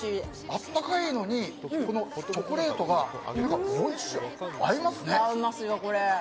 温かいのにチョコレートが合いますね。